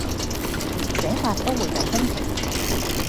寫法都會有分歧